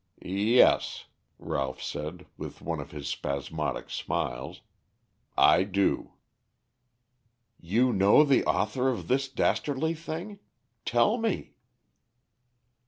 "Yes," Ralph said, with one of his spasmodic smiles, "I do." "You know the author of this dastardly thing. Tell me."